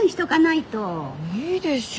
いいでしょ。